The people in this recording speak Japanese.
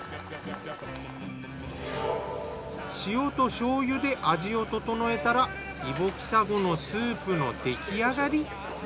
塩と醤油で味を調えたらイボキサゴのスープの出来上がり。